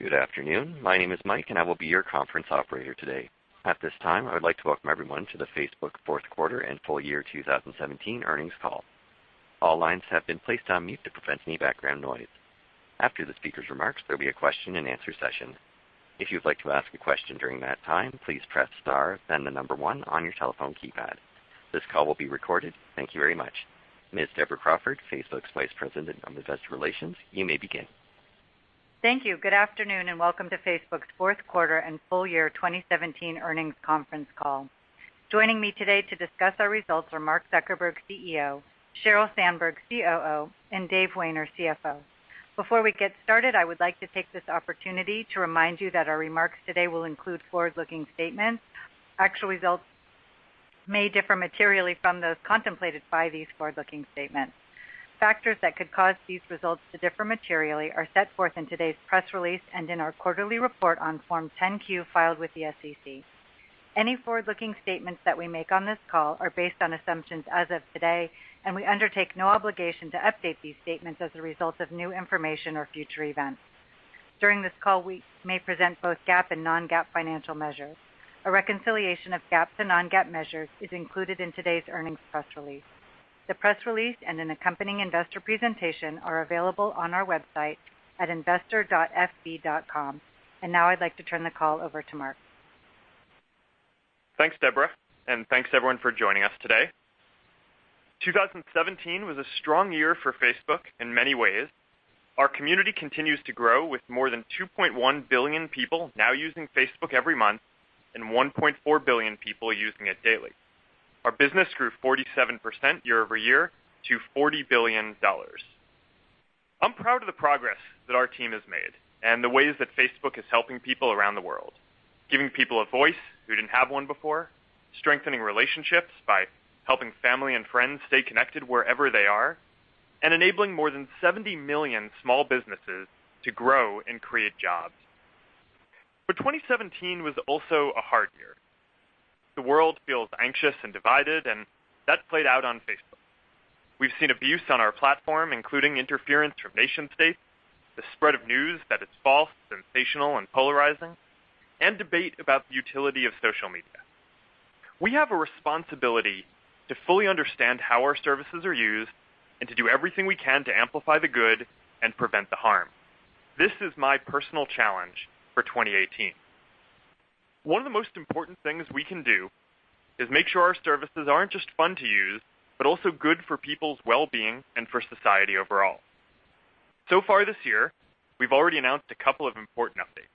Good afternoon. My name is Mike and I will be your conference operator today. At this time, I would like to welcome everyone to the Facebook fourth quarter and full year 2017 earnings call. All lines have been placed on mute to prevent any background noise. After the speaker's remarks, there'll be a question and answer session. If you'd like to ask a question during that time, please press star then the number 1 on your telephone keypad. This call will be recorded. Thank you very much. Ms. Deborah Crawford, Facebook's Vice President of Investor Relations, you may begin. Thank you. Good afternoon and welcome to Facebook's fourth quarter and full year 2017 earnings conference call. Joining me today to discuss our results are Mark Zuckerberg, CEO, Sheryl Sandberg, COO, and Dave Wehner, CFO. Before we get started, I would like to take this opportunity to remind you that our remarks today will include forward-looking statements. Actual results may differ materially from those contemplated by these forward-looking statements. Factors that could cause these results to differ materially are set forth in today's press release and in our quarterly report on Form 10-Q filed with the SEC. Any forward-looking statements that we make on this call are based on assumptions as of today, we undertake no obligation to update these statements as a result of new information or future events. During this call, we may present both GAAP and non-GAAP financial measures. A reconciliation of GAAP to non-GAAP measures is included in today's earnings press release. The press release and an accompanying investor presentation are available on our website at investor.fb.com. Now I'd like to turn the call over to Mark. Thanks, Deborah, and thanks everyone for joining us today. 2017 was a strong year for Facebook in many ways. Our community continues to grow with more than 2.1 billion people now using Facebook every month and 1.4 billion people using it daily. Our business grew 47% year-over-year to $40 billion. I'm proud of the progress that our team has made and the ways that Facebook is helping people around the world, giving people a voice who didn't have one before, strengthening relationships by helping family and friends stay connected wherever they are, and enabling more than 70 million small businesses to grow and create jobs. 2017 was also a hard year. The world feels anxious and divided, that's played out on Facebook. We've seen abuse on our platform, including interference from nation states, the spread of news that is false, sensational, and polarizing, and debate about the utility of social media. We have a responsibility to fully understand how our services are used and to do everything we can to amplify the good and prevent the harm. This is my personal challenge for 2018. One of the most important things we can do is make sure our services aren't just fun to use, but also good for people's well-being and for society overall. Far this year, we've already announced a couple of important updates.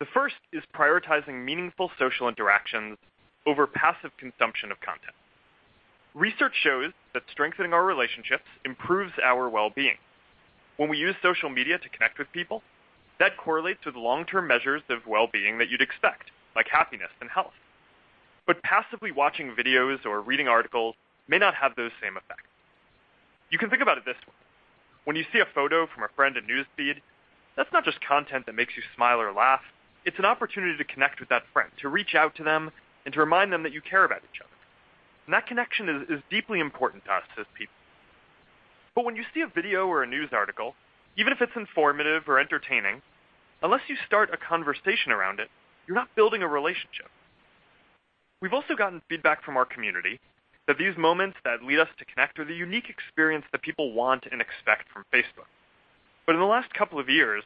The first is prioritizing meaningful social interactions over passive consumption of content. Research shows that strengthening our relationships improves our well-being. When we use social media to connect with people, that correlates to the long-term measures of well-being that you'd expect, like happiness and health. Passively watching videos or reading articles may not have those same effects. You can think about it this way. When you see a photo from a friend in News Feed, that's not just content that makes you smile or laugh, it's an opportunity to connect with that friend, to reach out to them, and to remind them that you care about each other. That connection is deeply important to us as people. When you see a video or a news article, even if it's informative or entertaining, unless you start a conversation around it, you're not building a relationship. We've also gotten feedback from our community that these moments that lead us to connect are the unique experience that people want and expect from Facebook. In the last couple of years,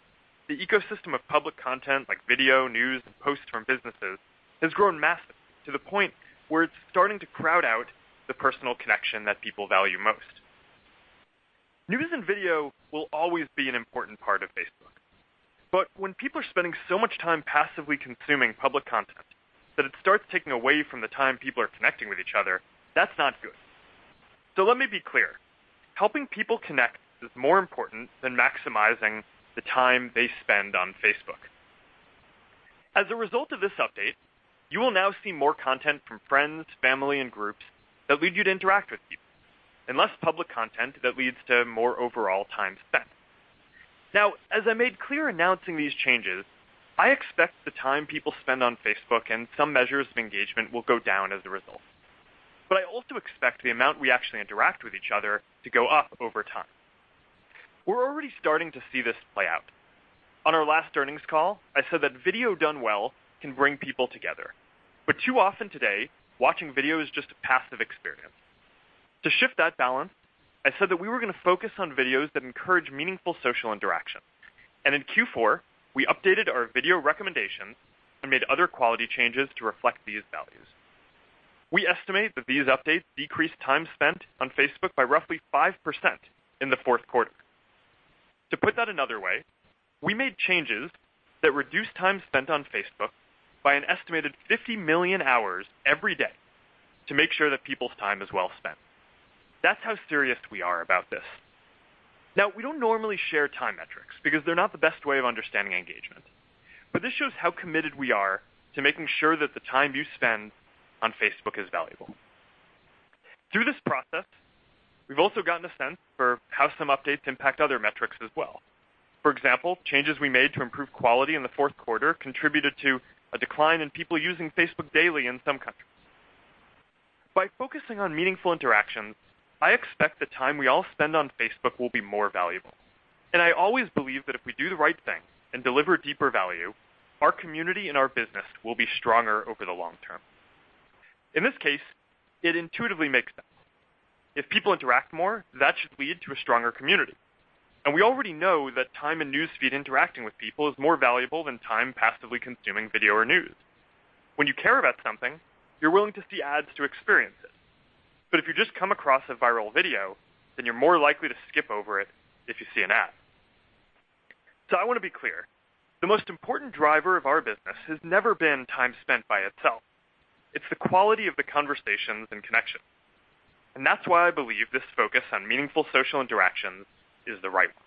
the ecosystem of public content like video, news, and posts from businesses has grown massive, to the point where it's starting to crowd out the personal connection that people value most. News and video will always be an important part of Facebook. When people are spending so much time passively consuming public content that it starts taking away from the time people are connecting with each other, that's not good. Let me be clear. Helping people connect is more important than maximizing the time they spend on Facebook. As a result of this update, you will now see more content from friends, family, and groups that lead you to interact with people, and less public content that leads to more overall time spent. As I made clear announcing these changes, I expect the time people spend on Facebook and some measures of engagement will go down as a result. I also expect the amount we actually interact with each other to go up over time. We're already starting to see this play out. On our last earnings call, I said that video done well can bring people together. Too often today, watching video is just a passive experience. To shift that balance, I said that we were going to focus on videos that encourage meaningful social interaction. In Q4, we updated our video recommendations and made other quality changes to reflect these values. We estimate that these updates decreased time spent on Facebook by roughly 5% in the fourth quarter. To put that another way, we made changes that reduced time spent on Facebook by an estimated 50 million hours every day to make sure that people's time is well spent. That's how serious we are about this. We don't normally share time metrics because they're not the best way of understanding engagement, but this shows how committed we are to making sure that the time you spend on Facebook is valuable. We've also gotten a sense for how some updates impact other metrics as well. For example, changes we made to improve quality in the fourth quarter contributed to a decline in people using Facebook daily in some countries. By focusing on meaningful interactions, I expect the time we all spend on Facebook will be more valuable. I always believe that if we do the right thing and deliver deeper value, our community and our business will be stronger over the long term. In this case, it intuitively makes sense. If people interact more, that should lead to a stronger community. We already know that time in News Feed interacting with people is more valuable than time passively consuming video or news. When you care about something, you're willing to see ads to experience it. If you just come across a viral video, then you're more likely to skip over it if you see an ad. I want to be clear, the most important driver of our business has never been time spent by itself. It's the quality of the conversations and connections. That's why I believe this focus on meaningful social interactions is the right one.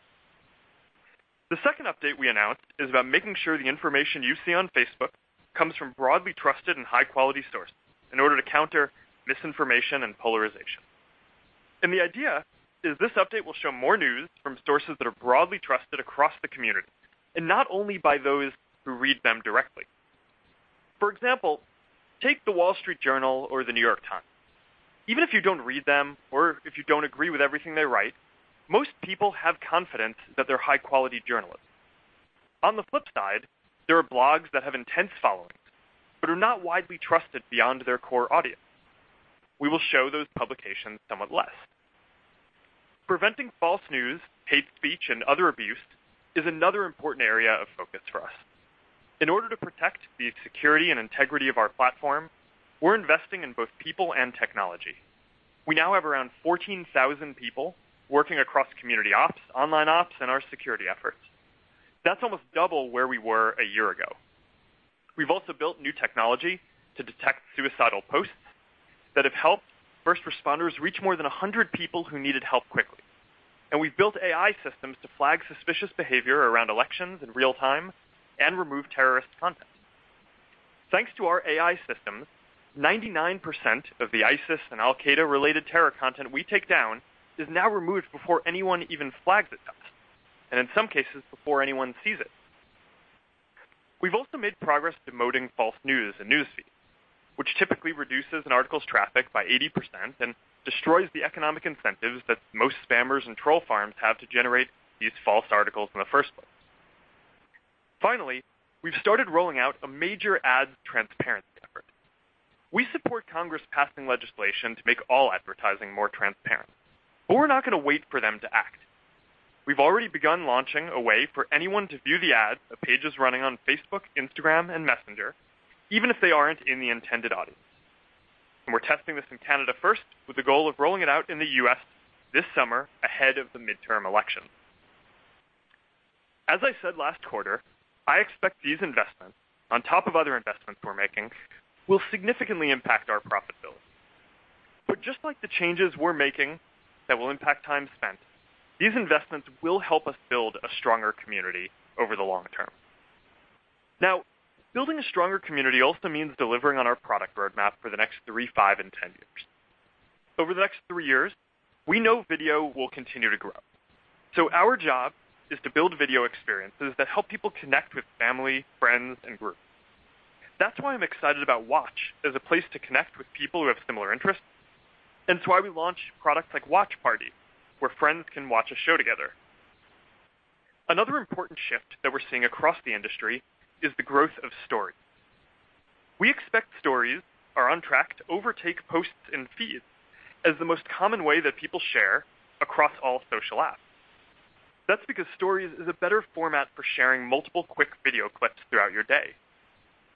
The second update we announced is about making sure the information you see on Facebook comes from broadly trusted and high-quality sources in order to counter misinformation and polarization. The idea is this update will show more news from sources that are broadly trusted across the community, and not only by those who read them directly. For example, take The Wall Street Journal or The New York Times. Even if you don't read them, or if you don't agree with everything they write, most people have confidence that they're high-quality journalists. On the flip side, there are blogs that have intense followings but are not widely trusted beyond their core audience. We will show those publications somewhat less. Preventing false news, hate speech, and other abuse is another important area of focus for us. In order to protect the security and integrity of our platform, we're investing in both people and technology. We now have around 14,000 people working across community ops, online ops, and our security efforts. That's almost double where we were a year ago. We've also built new technology to detect suicidal posts that have helped first responders reach more than 100 people who needed help quickly. We've built AI systems to flag suspicious behavior around elections in real time and remove terrorist content. Thanks to our AI systems, 99% of the ISIS and Al Qaeda-related terror content we take down is now removed before anyone even flags it to us, and in some cases, before anyone sees it. We've also made progress demoting false news in News Feed, which typically reduces an article's traffic by 80% and destroys the economic incentives that most spammers and troll farms have to generate these false articles in the first place. Finally, we've started rolling out a major ad transparency effort. We support Congress passing legislation to make all advertising more transparent, we're not going to wait for them to act. We've already begun launching a way for anyone to view the ads a page is running on Facebook, Instagram, and Messenger, even if they aren't in the intended audience. We're testing this in Canada first with the goal of rolling it out in the U.S. this summer ahead of the midterm elections. As I said last quarter, I expect these investments, on top of other investments we're making, will significantly impact our profitability. Just like the changes we're making that will impact time spent, these investments will help us build a stronger community over the long term. Building a stronger community also means delivering on our product roadmap for the next three, five, and 10 years. Over the next three years, we know video will continue to grow. Our job is to build video experiences that help people connect with family, friends, and groups. That's why I'm excited about Watch as a place to connect with people who have similar interests, and it's why we launched products like Watch Party, where friends can watch a show together. Another important shift that we're seeing across the industry is the growth of Stories. We expect Stories are on track to overtake posts in feeds as the most common way that people share across all social apps. That's because Stories is a better format for sharing multiple quick video clips throughout your day.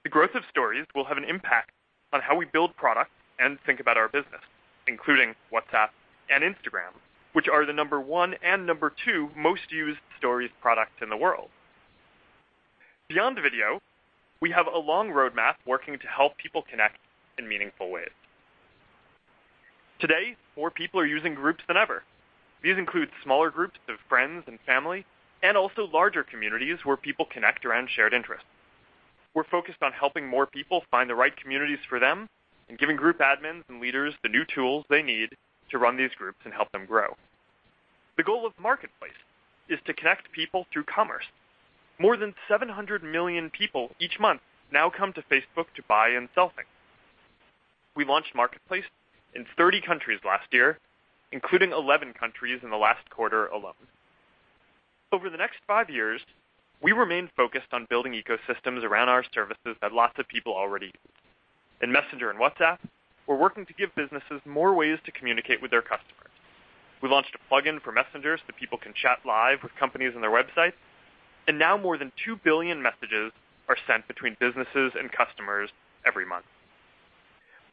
The growth of Stories will have an impact on how we build products and think about our business, including WhatsApp and Instagram, which are the number 1 and number 2 most used Stories products in the world. Beyond video, we have a long roadmap working to help people connect in meaningful ways. Today, more people are using Groups than ever. These include smaller groups of friends and family, and also larger communities where people connect around shared interests. We're focused on helping more people find the right communities for them and giving group admins and leaders the new tools they need to run these groups and help them grow. The goal of Marketplace is to connect people through commerce. More than 700 million people each month now come to Facebook to buy and sell things. We launched Marketplace in 30 countries last year, including 11 countries in the last quarter alone. Over the next five years, we remain focused on building ecosystems around our services that lots of people already use. In Messenger and WhatsApp, we're working to give businesses more ways to communicate with their customers. We launched a plugin for Messenger so that people can chat live with companies on their websites, and now more than 2 billion messages are sent between businesses and customers every month.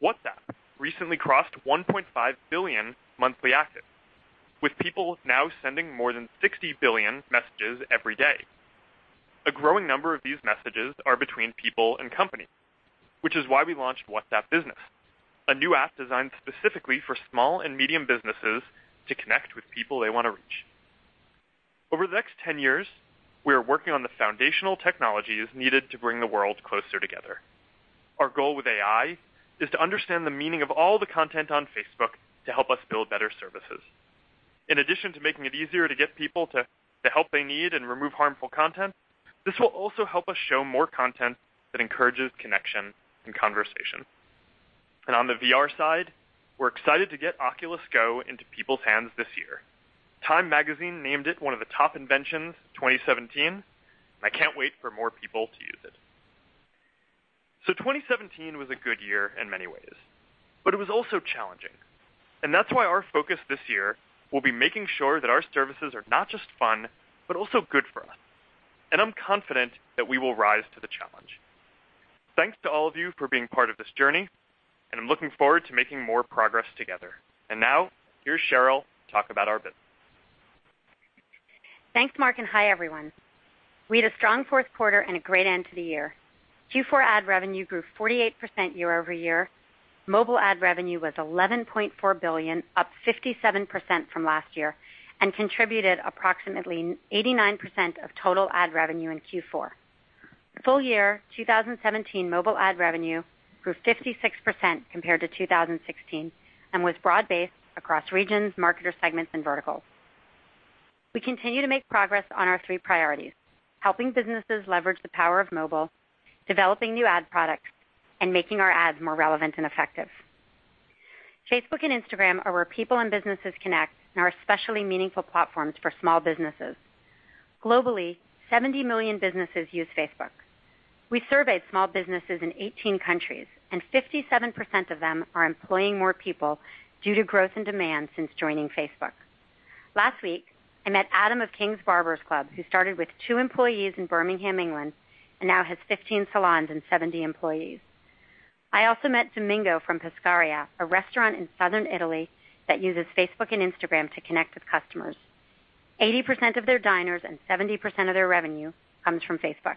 WhatsApp recently crossed 1.5 billion monthly actives, with people now sending more than 60 billion messages every day. A growing number of these messages are between people and companies, which is why we launched WhatsApp Business, a new app designed specifically for small and medium businesses to connect with people they want to reach. Over the next 10 years, we are working on the foundational technologies needed to bring the world closer together. Our goal with AI is to understand the meaning of all the content on Facebook to help us build better services. In addition to making it easier to get people the help they need and remove harmful content, this will also help us show more content that encourages connection and conversation. On the VR side, we're excited to get Oculus Go into people's hands this year. TIME named it one of the top inventions of 2017. I can't wait for more people to use it. 2017 was a good year in many ways, but it was also challenging, and that's why our focus this year will be making sure that our services are not just fun, but also good for us, and I'm confident that we will rise to the challenge. Thanks to all of you for being part of this journey, and I'm looking forward to making more progress together. Now, here's Sheryl to talk about our business. Thanks, Mark, hi, everyone. We had a strong fourth quarter and a great end to the year. Q4 ad revenue grew 48% year-over-year. Mobile ad revenue was $11.4 billion, up 57% from last year, and contributed approximately 89% of total ad revenue in Q4. Full year 2017 mobile ad revenue grew 56% compared to 2016 and was broad-based across regions, marketer segments and verticals. We continue to make progress on our three priorities: helping businesses leverage the power of mobile, developing new ad products, and making our ads more relevant and effective. Facebook and Instagram are where people and businesses connect and are especially meaningful platforms for small businesses. Globally, 70 million businesses use Facebook. We surveyed small businesses in 18 countries, and 57% of them are employing more people due to growth and demand since joining Facebook. Last week, I met Adam of Kings Barbers Club, who started with two employees in Birmingham, England, and now has 15 salons and 70 employees. I also met Domingo from Pescaria, a restaurant in southern Italy that uses Facebook and Instagram to connect with customers. 80% of their diners and 70% of their revenue comes from Facebook.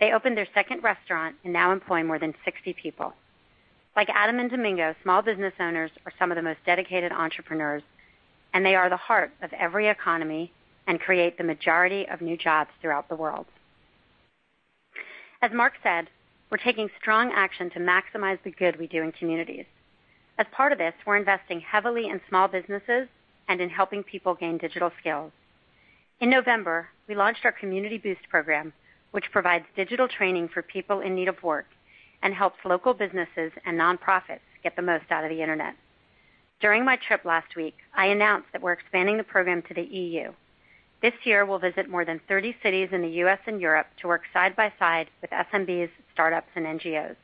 They opened their second restaurant and now employ more than 60 people. Like Adam and Domingo, small business owners are some of the most dedicated entrepreneurs, and they are the heart of every economy and create the majority of new jobs throughout the world. As Mark said, we're taking strong action to maximize the good we do in communities. As part of this, we're investing heavily in small businesses and in helping people gain digital skills. In November, we launched our Community Boost program, which provides digital training for people in need of work and helps local businesses and nonprofits get the most out of the internet. During my trip last week, I announced that we're expanding the program to the EU. This year, we'll visit more than 30 cities in the U.S. and Europe to work side by side with SMBs, startups, and NGOs.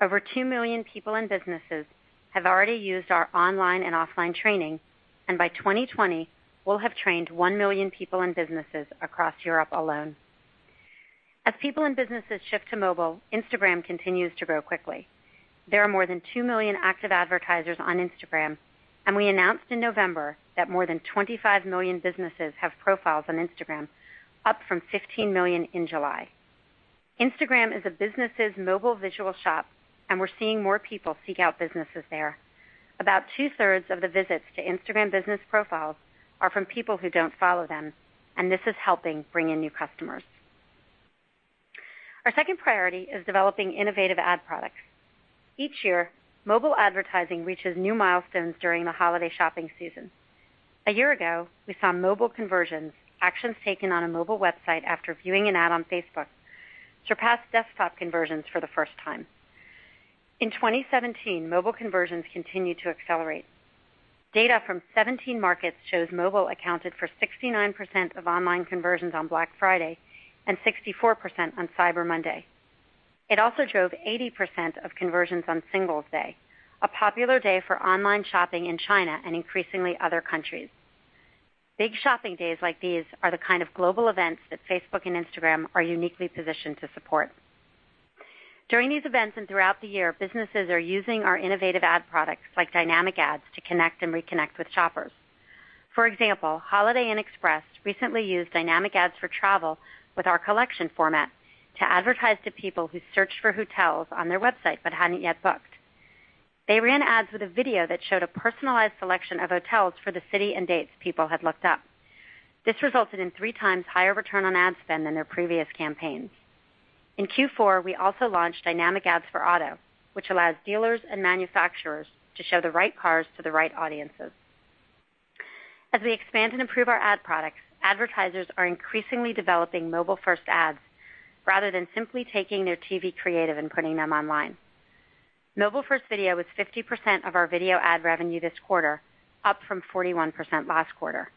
Over 2 million people and businesses have already used our online and offline training, and by 2020, we'll have trained 1 million people and businesses across Europe alone. As people and businesses shift to mobile, Instagram continues to grow quickly. There are more than 2 million active advertisers on Instagram, and we announced in November that more than 25 million businesses have profiles on Instagram, up from 15 million in July. Instagram is a business' mobile visual shop, and we're seeing more people seek out businesses there. About two-thirds of the visits to Instagram business profiles are from people who don't follow them, and this is helping bring in new customers. Our second priority is developing innovative ad products. Each year, mobile advertising reaches new milestones during the holiday shopping season. A year ago, we saw mobile conversions, actions taken on a mobile website after viewing an ad on Facebook, surpass desktop conversions for the first time. In 2017, mobile conversions continued to accelerate. Data from 17 markets shows mobile accounted for 69% of online conversions on Black Friday and 64% on Cyber Monday. It also drove 80% of conversions on Singles' Day, a popular day for online shopping in China and increasingly other countries. Big shopping days like these are the kind of global events that Facebook and Instagram are uniquely positioned to support. During these events and throughout the year, businesses are using our innovative ad products, like dynamic ads, to connect and reconnect with shoppers. For example, Holiday Inn Express recently used dynamic ads for travel with our collection format to advertise to people who searched for hotels on their website but hadn't yet booked. They ran ads with a video that showed a personalized selection of hotels for the city and dates people had looked up. This resulted in three times higher return on ad spend than their previous campaigns. In Q4, we also launched dynamic ads for auto, which allows dealers and manufacturers to show the right cars to the right audiences. As we expand and improve our ad products, advertisers are increasingly developing mobile-first ads rather than simply taking their TV creative and putting them online. Mobile-first video was 50% of our video ad revenue this quarter, up from 41% last quarter.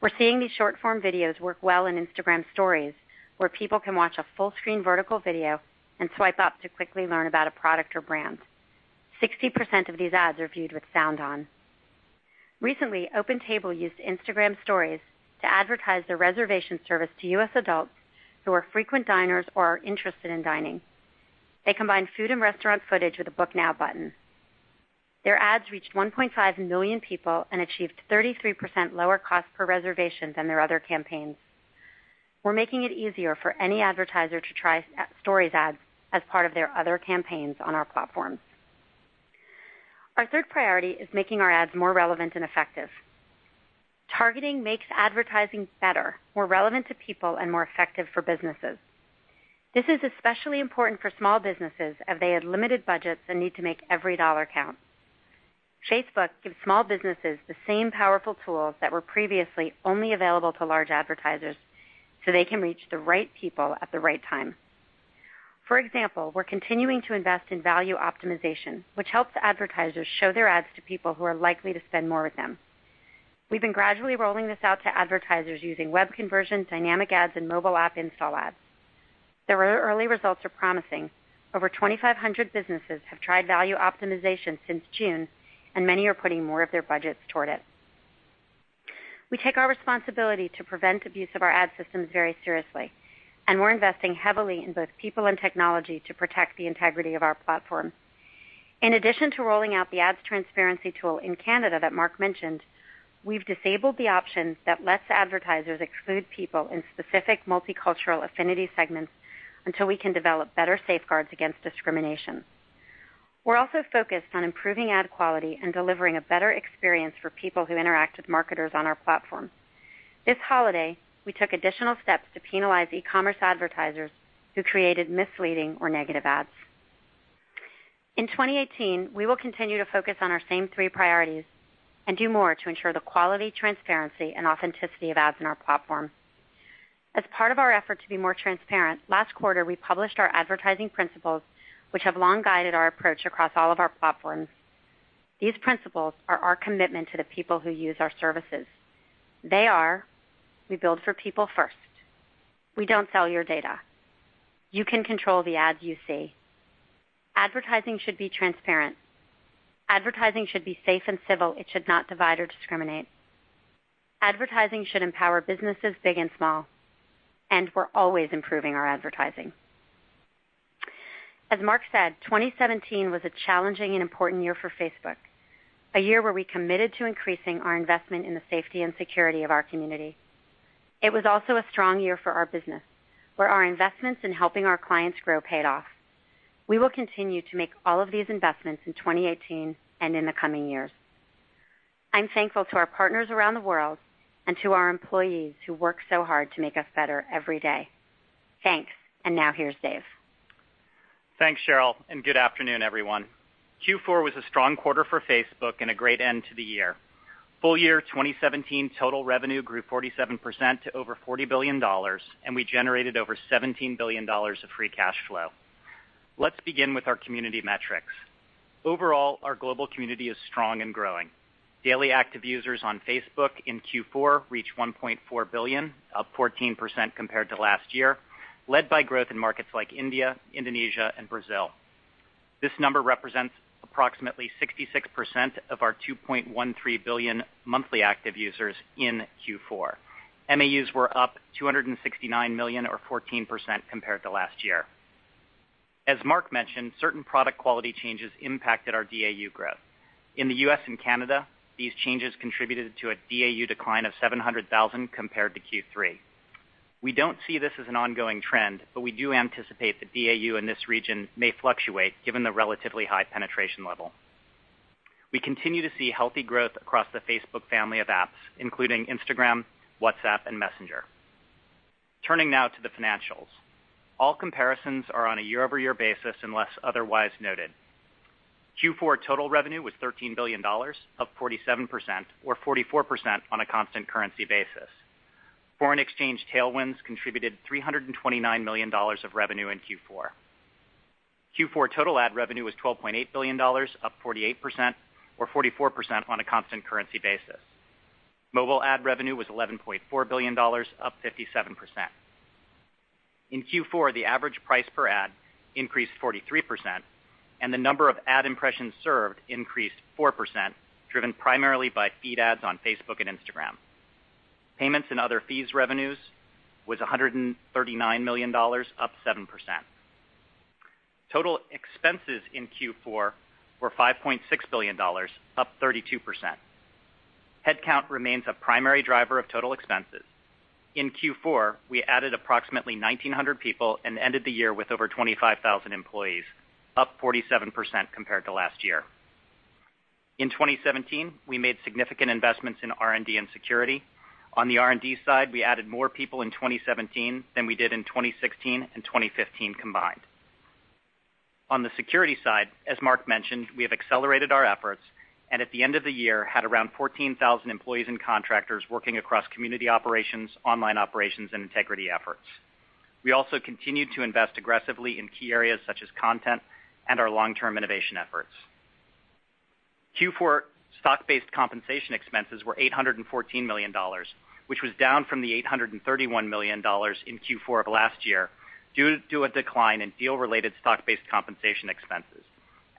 We're seeing these short-form videos work well in Instagram Stories, where people can watch a full-screen vertical video and swipe up to quickly learn about a product or brand. 60% of these ads are viewed with sound on. Recently, OpenTable used Instagram Stories to advertise their reservation service to U.S. adults who are frequent diners or are interested in dining. They combined food and restaurant footage with a Book Now button. Their ads reached 1.5 million people and achieved 33% lower cost per reservation than their other campaigns. We're making it easier for any advertiser to try Stories ads as part of their other campaigns on our platforms. Our third priority is making our ads more relevant and effective. Targeting makes advertising better, more relevant to people, and more effective for businesses. This is especially important for small businesses as they have limited budgets and need to make every dollar count. Facebook gives small businesses the same powerful tools that were previously only available to large advertisers so they can reach the right people at the right time. For example, we're continuing to invest in value optimization, which helps advertisers show their ads to people who are likely to spend more with them. We've been gradually rolling this out to advertisers using web conversion, dynamic ads, and mobile app install ads. The early results are promising. Over 2,500 businesses have tried value optimization since June, and many are putting more of their budgets toward it. We take our responsibility to prevent abuse of our ad systems very seriously. We're investing heavily in both people and technology to protect the integrity of our platform. In addition to rolling out the ads transparency tool in Canada that Mark mentioned, we've disabled the option that lets advertisers exclude people in specific multicultural affinity segments until we can develop better safeguards against discrimination. We're also focused on improving ad quality and delivering a better experience for people who interact with marketers on our platform. This holiday, we took additional steps to penalize e-commerce advertisers who created misleading or negative ads. In 2018, we will continue to focus on our same three priorities and do more to ensure the quality, transparency, and authenticity of ads in our platform. As part of our effort to be more transparent, last quarter, we published our advertising principles, which have long guided our approach across all of our platforms. These principles are our commitment to the people who use our services. They are: we build for people first, we don't sell your data, you can control the ads you see, advertising should be transparent, advertising should be safe and civil, it should not divide or discriminate, advertising should empower businesses big and small, and we're always improving our advertising. As Mark said, 2017 was a challenging and important year for Facebook, a year where we committed to increasing our investment in the safety and security of our community. It was also a strong year for our business, where our investments in helping our clients grow paid off. We will continue to make all of these investments in 2018 and in the coming years. I'm thankful to our partners around the world and to our employees who work so hard to make us better every day. Thanks. Now here's Dave. Thanks, Sheryl, and good afternoon, everyone. Q4 was a strong quarter for Facebook and a great end to the year. Full year 2017 total revenue grew 47% to over $40 billion, and we generated over $17 billion of free cash flow. Let's begin with our community metrics. Overall, our global community is strong and growing. Daily active users on Facebook in Q4 reached 1.4 billion, up 14% compared to last year, led by growth in markets like India, Indonesia, and Brazil. This number represents approximately 66% of our 2.13 billion monthly active users in Q4. MAUs were up 269 million or 14% compared to last year. As Mark mentioned, certain product quality changes impacted our DAU growth. In the U.S. and Canada, these changes contributed to a DAU decline of 700,000 compared to Q3. We don't see this as an ongoing trend, but we do anticipate the DAU in this region may fluctuate given the relatively high penetration level. We continue to see healthy growth across the Facebook family of apps, including Instagram, WhatsApp, and Messenger. Turning now to the financials. All comparisons are on a year-over-year basis unless otherwise noted. Q4 total revenue was $13 billion, up 47% or 44% on a constant currency basis. Foreign exchange tailwinds contributed $329 million of revenue in Q4. Q4 total ad revenue was $12.8 billion, up 48% or 44% on a constant currency basis. Mobile ad revenue was $11.4 billion, up 57%. In Q4, the average price per ad increased 43% and the number of ad impressions served increased 4%, driven primarily by feed ads on Facebook and Instagram. Payments and other fees revenues was $139 million, up 7%. Total expenses in Q4 were $5.6 billion, up 32%. Headcount remains a primary driver of total expenses. In Q4, we added approximately 1,900 people and ended the year with over 25,000 employees, up 47% compared to last year. In 2017, we made significant investments in R&D and security. On the R&D side, we added more people in 2017 than we did in 2016 and 2015 combined. On the security side, as Mark mentioned, we have accelerated our efforts, and at the end of the year, had around 14,000 employees and contractors working across community operations, online operations, and integrity efforts. We also continued to invest aggressively in key areas such as content and our long-term innovation efforts. Q4 stock-based compensation expenses were $814 million, which was down from the $831 million in Q4 of last year due to a decline in deal-related stock-based compensation expenses.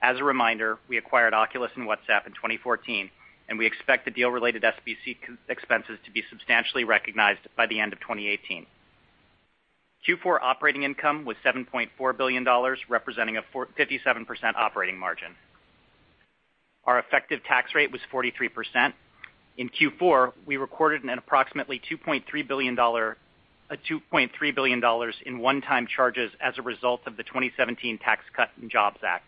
As a reminder, we acquired Oculus and WhatsApp in 2014, and we expect the deal-related SBC expenses to be substantially recognized by the end of 2018. Q4 operating income was $7.4 billion, representing a 57% operating margin. Our effective tax rate was 43%. In Q4, we recorded an approximately $2.3 billion in one-time charges as a result of the 2017 Tax Cuts and Jobs Act.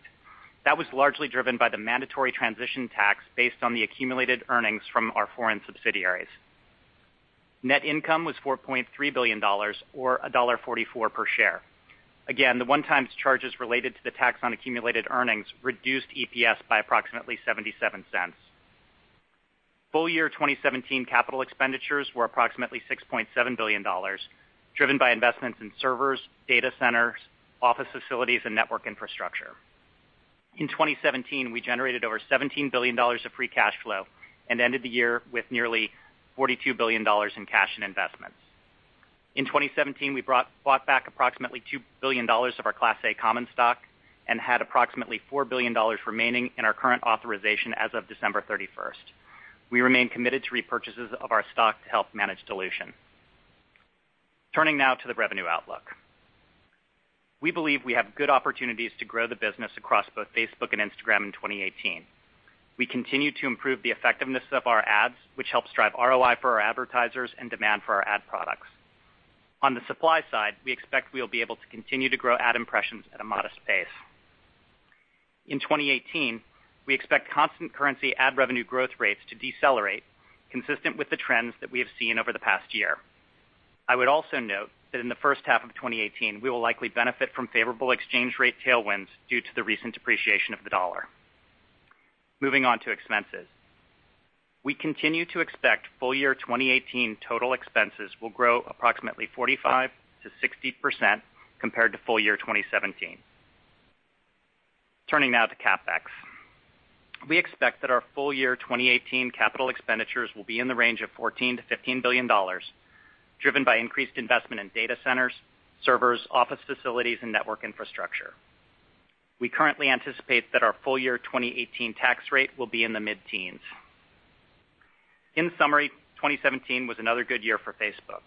That was largely driven by the mandatory transition tax based on the accumulated earnings from our foreign subsidiaries. Net income was $4.3 billion or $1.44 per share. Again, the one-time charges related to the tax on accumulated earnings reduced EPS by approximately $0.77. Full year 2017 capital expenditures were approximately $6.7 billion, driven by investments in servers, data centers, office facilities, and network infrastructure. In 2017, we generated over $17 billion of free cash flow and ended the year with nearly $42 billion in cash and investments. In 2017, we bought back approximately $2 billion of our Class A common stock and had approximately $4 billion remaining in our current authorization as of December 31st. We remain committed to repurchases of our stock to help manage dilution. Turning now to the revenue outlook. We believe we have good opportunities to grow the business across both Facebook and Instagram in 2018. We continue to improve the effectiveness of our ads, which helps drive ROI for our advertisers and demand for our ad products. On the supply side, we expect we'll be able to continue to grow ad impressions at a modest pace. In 2018, we expect constant currency ad revenue growth rates to decelerate, consistent with the trends that we have seen over the past year. I would also note that in the first half of 2018, we will likely benefit from favorable exchange rate tailwinds due to the recent depreciation of the dollar. Moving on to expenses. We continue to expect full year 2018 total expenses will grow approximately 45%-60% compared to full year 2017. Turning now to CapEx. We expect that our full year 2018 capital expenditures will be in the range of $14 billion-$15 billion, driven by increased investment in data centers, servers, office facilities, and network infrastructure. We currently anticipate that our full year 2018 tax rate will be in the mid-teens. In summary, 2017 was another good year for Facebook.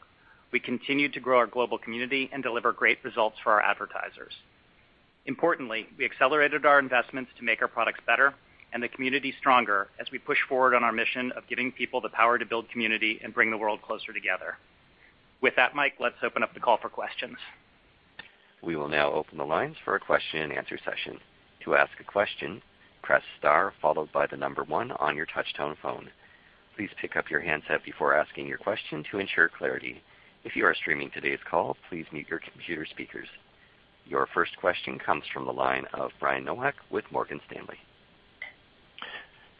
We continued to grow our global community and deliver great results for our advertisers. Importantly, we accelerated our investments to make our products better and the community stronger as we push forward on our mission of giving people the power to build community and bring the world closer together. With that, Mike, let's open up the call for questions. We will now open the lines for a question and answer session. To ask a question, press star followed by the number one on your touch-tone phone. Please pick up your handset before asking your question to ensure clarity. If you are streaming today's call, please mute your computer speakers. Your first question comes from the line of Brian Nowak with Morgan Stanley.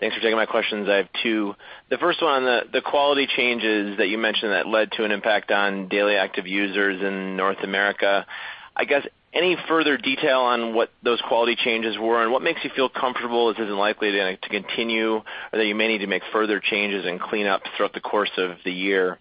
Thanks for taking my questions. I have two. The first one, the quality changes that you mentioned that led to an impact on daily active users in North America, I guess, any further detail on what those quality changes were and what makes you feel comfortable this isn't likely to continue, or that you may need to make further changes and clean up throughout the course of the year?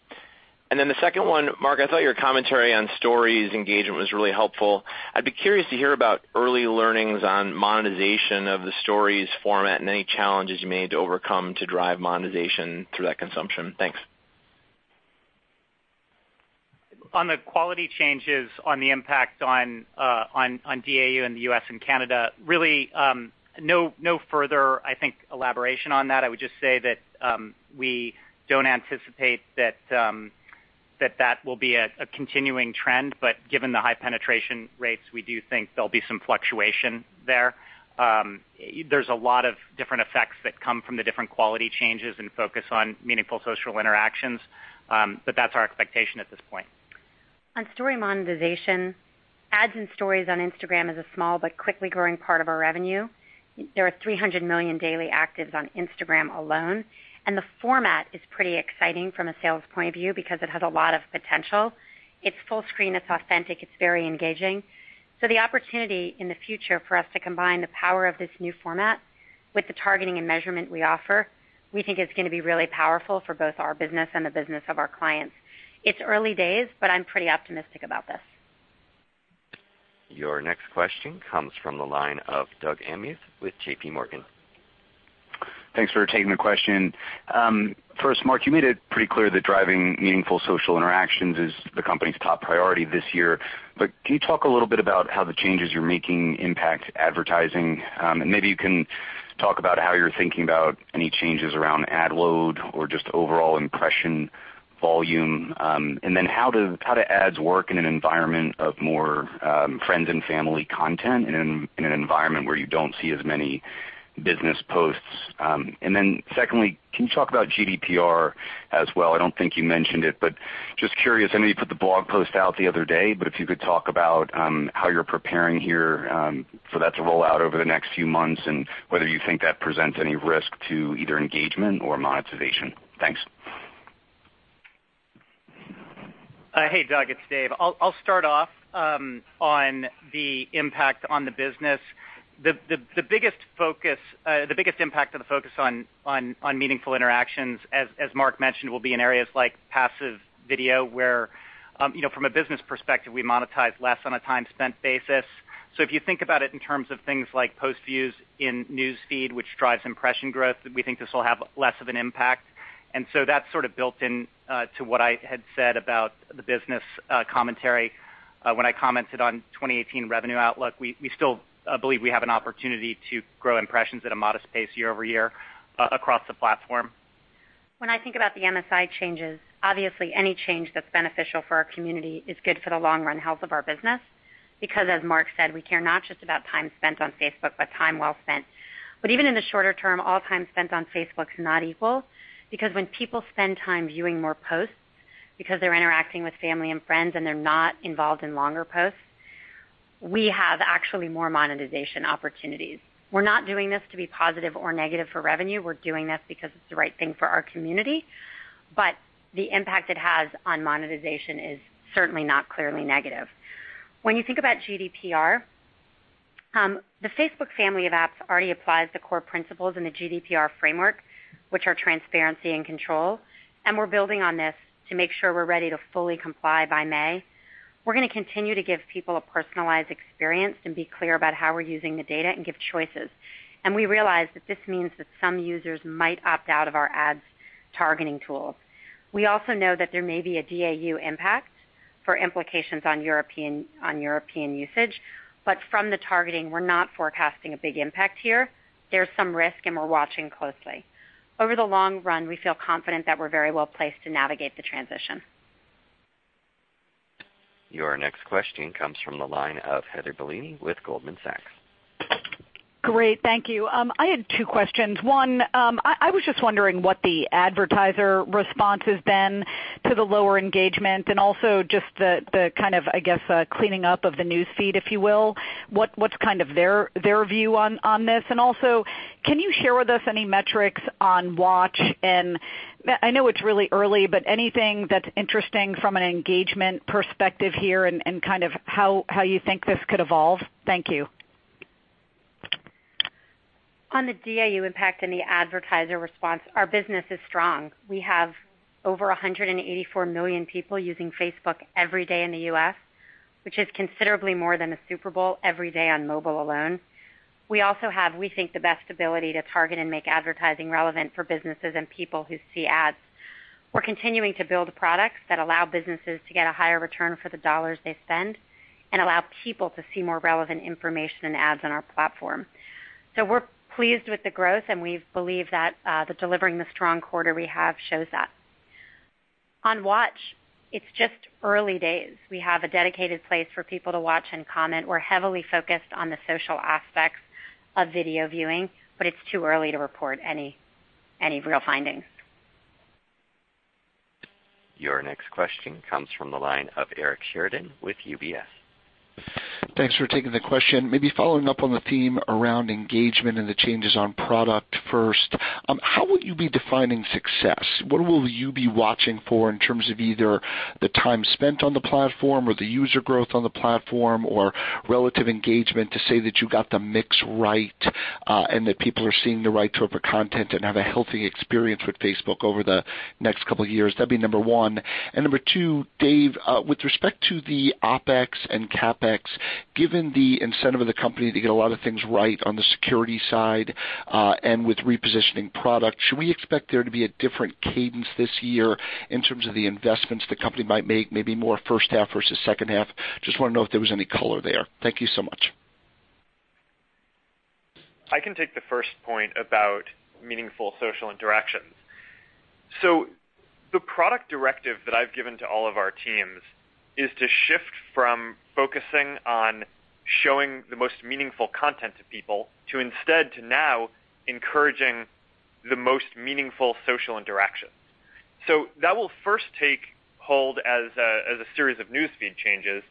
The second one, Mark, I thought your commentary on Stories engagement was really helpful. I'd be curious to hear about early learnings on monetization of the Stories format and any challenges you may need to overcome to drive monetization through that consumption. Thanks. On the quality changes on the impact on DAU in the U.S. and Canada, really, no further, I think, elaboration on that. I would just say that we don't anticipate that that will be a continuing trend. Given the high penetration rates, we do think there'll be some fluctuation there. There's a lot of different effects that come from the different quality changes and focus on meaningful social interactions, but that's our expectation at this point. On Stories monetization, ads and Stories on Instagram is a small but quickly growing part of our revenue. There are 300 million daily actives on Instagram alone, the format is pretty exciting from a sales point of view because it has a lot of potential. It's full screen, it's authentic, it's very engaging. The opportunity in the future for us to combine the power of this new format with the targeting and measurement we offer, we think is going to be really powerful for both our business and the business of our clients. It's early days, but I'm pretty optimistic about this. Your next question comes from the line of Doug Anmuth with J.P. Morgan. Thanks for taking the question. First, Mark, you made it pretty clear that driving meaningful social interactions is the company's top priority this year. Can you talk a little bit about how the changes you're making impact advertising? Maybe you can talk about how you're thinking about any changes around ad load or just overall impression volume, how the ads work in an environment of more friends and family content in an environment where you don't see as many business posts. Secondly, can you talk about GDPR as well? I don't think you mentioned it, just curious. I know you put the blog post out the other day, if you could talk about how you're preparing here for that to roll out over the next few months and whether you think that presents any risk to either engagement or monetization. Thanks. Hey, Doug. It's Dave. I'll start off on the impact on the business. The biggest impact of the focus on meaningful interactions, as Mark mentioned, will be in areas like passive video, where from a business perspective, we monetize less on a time spent basis. If you think about it in terms of things like post views in News Feed, which drives impression growth, we think this will have less of an impact. That's sort of built into what I had said about the business commentary. When I commented on 2018 revenue outlook, we still believe we have an opportunity to grow impressions at a modest pace year-over-year across the platform. When I think about the MSI changes, obviously any change that's beneficial for our community is good for the long-run health of our business, because as Mark said, we care not just about time spent on Facebook, but time well spent. Even in the shorter term, all time spent on Facebook is not equal, because when people spend time viewing more posts because they're interacting with family and friends and they're not involved in longer posts, we have actually more monetization opportunities. We're not doing this to be positive or negative for revenue. We're doing this because it's the right thing for our community. The impact it has on monetization is certainly not clearly negative. When you think about GDPR, the Facebook family of apps already applies the core principles in the GDPR framework, which are transparency and control, and we're building on this to make sure we're ready to fully comply by May. We're going to continue to give people a personalized experience and be clear about how we're using the data and give choices. We realize that this means that some users might opt out of our ads targeting tools. We also know that there may be a DAU impact for implications on European usage. From the targeting, we're not forecasting a big impact here. There's some risk, and we're watching closely. Over the long run, we feel confident that we're very well-placed to navigate the transition. Your next question comes from the line of Heather Bellini with Goldman Sachs. Great. Thank you. I had two questions. One, I was just wondering what the advertiser response has been to the lower engagement and also just the kind of, I guess, cleaning up of the News Feed, if you will. What's kind of their view on this? Also, can you share with us any metrics on Watch? I know it's really early, but anything that's interesting from an engagement perspective here and kind of how you think this could evolve? Thank you. On the DAU impact and the advertiser response, our business is strong. We have over 184 million people using Facebook every day in the U.S., which is considerably more than a Super Bowl every day on mobile alone. We also have, we think, the best ability to target and make advertising relevant for businesses and people who see ads. We're continuing to build products that allow businesses to get a higher return for the dollars they spend and allow people to see more relevant information and ads on our platform. We're pleased with the growth, and we believe that delivering the strong quarter we have shows that. On Watch, it's just early days. We have a dedicated place for people to watch and comment. We're heavily focused on the social aspects of video viewing, it's too early to report any real findings. Your next question comes from the line of Eric Sheridan with UBS. Thanks for taking the question. Maybe following up on the theme around engagement and the changes on product first, how would you be defining success? What will you be watching for in terms of either the time spent on the platform or the user growth on the platform or relative engagement to say that you got the mix right and that people are seeing the right type of content and have a healthy experience with Facebook over the next couple of years? That'd be number 1. Number 2, Dave, with respect to the OpEx and CapEx, given the incentive of the company to get a lot of things right on the security side and with repositioning product, should we expect there to be a different cadence this year in terms of the investments the company might make, maybe more first half versus second half? Just want to know if there was any color there. Thank you so much. I can take the first point about meaningful social interactions. The product directive that I've given to all of our teams is to shift from focusing on showing the most meaningful content to people to instead to now encouraging the most meaningful social interactions. That will first take hold as a series of News Feed changes,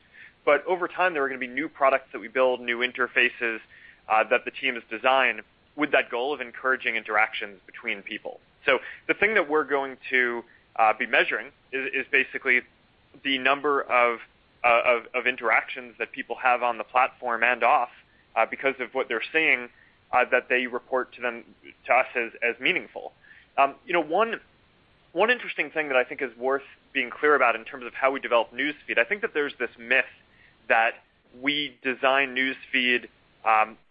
but over time, there are going to be new products that we build, new interfaces that the team has designed with that goal of encouraging interactions between people. The thing that we're going to be measuring is basically the number of interactions that people have on the platform and off because of what they're seeing that they report to us as meaningful. One interesting thing that I think is worth being clear about in terms of how we develop News Feed, I think that there's this myth that we design News Feed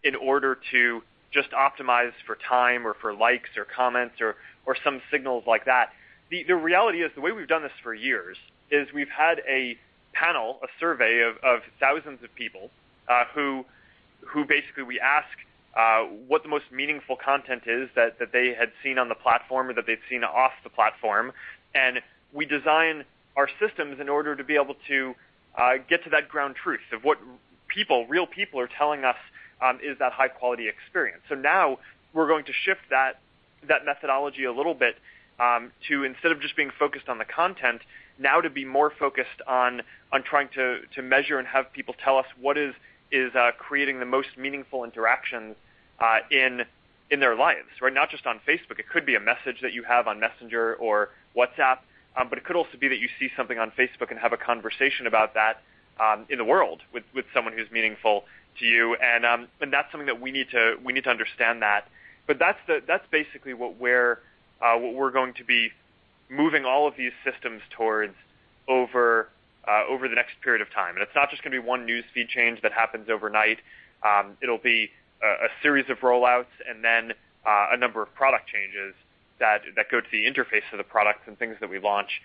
in order to just optimize for time or for likes or comments or some signals like that. The reality is, the way we've done this for years is we've had a panel, a survey of thousands of people who basically we ask what the most meaningful content is that they had seen on the platform or that they've seen off the platform, and we design our systems in order to be able to get to that ground truth of what people, real people, are telling us is that high-quality experience. Now we're going to shift that methodology a little bit to instead of just being focused on the content, now to be more focused on trying to measure and have people tell us what is creating the most meaningful interactions in their lives, right? Not just on Facebook. It could be a message that you have on Messenger or WhatsApp, but it could also be that you see something on Facebook and have a conversation about that in the world with someone who's meaningful to you. That's something that we need to understand that. That's basically what we're going to be moving all of these systems towards over the next period of time. It's not just going to be one News Feed change that happens overnight. It'll be a series of rollouts and then a number of product changes. that go to the interface of the products and things that we launch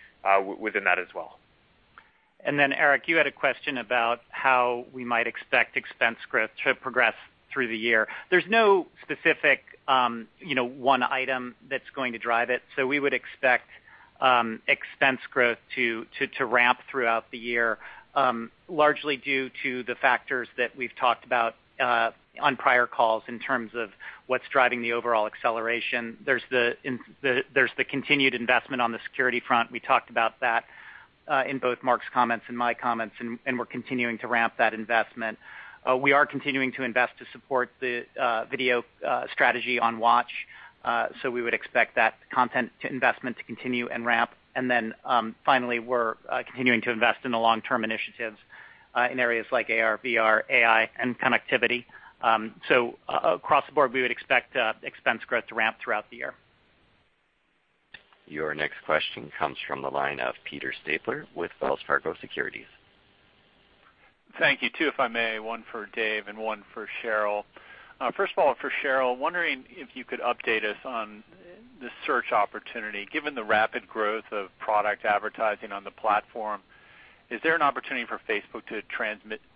within that as well. Eric, you had a question about how we might expect expense growth to progress through the year. There's no specific one item that's going to drive it. We would expect expense growth to ramp throughout the year, largely due to the factors that we've talked about on prior calls in terms of what's driving the overall acceleration. There's the continued investment on the security front. We talked about that in both Mark's comments and my comments, and we're continuing to ramp that investment. We are continuing to invest to support the video strategy on Watch. We would expect that content investment to continue and ramp. Finally, we're continuing to invest in the long-term initiatives in areas like AR, VR, AI, and connectivity. Across the board, we would expect expense growth to ramp throughout the year. Your next question comes from the line of Peter Stabler with Wells Fargo Securities. Thank you. Two, if I may. One for Dave and one for Sheryl. First of all, for Sheryl, wondering if you could update us on the search opportunity. Given the rapid growth of product advertising on the platform, is there an opportunity for Facebook to